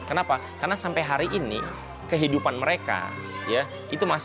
kenapa karena sampai hari ini kehidupan mereka ya